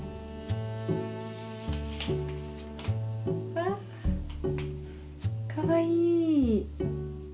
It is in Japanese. わあかわいい。